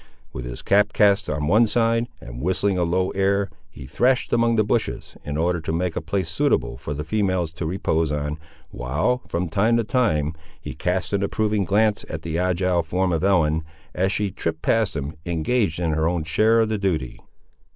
With his cap cast on one side, and whistling a low air, he thrashed among the bushes, in order to make a place suitable for the females to repose on, while, from time to time, he cast an approving glance at the agile form of Ellen, as she tripped past him, engaged in her own share of the duty.